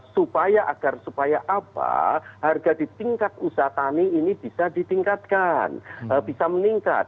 supaya agar supaya apa harga di tingkat usaha tani ini bisa ditingkatkan bisa meningkat